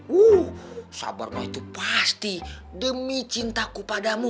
wuh sabar mah itu pasti demi cintaku padamu